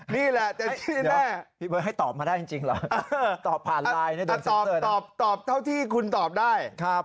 นี่แหละพี่เบิร์ทให้ตอบมาได้จริงหรอตอบผ่านไลน์ตอบเท่าที่คุณตอบได้ครับ